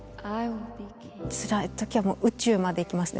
つらい時はもう宇宙まで行きますね。